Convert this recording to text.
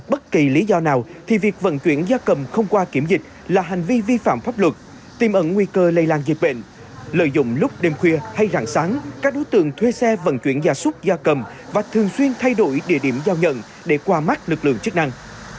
các đối tượng không qua kiểm dịch là hành vi vi phạm pháp luật tìm ẩn nguy cơ lây lan dịch bệnh lợi dụng lúc đêm khuya hay rạng sáng các đối tượng thuê xe vận chuyển gia súc gia cầm và thường xuyên thay đổi địa điểm giao nhận để qua mắt lực lượng chức năng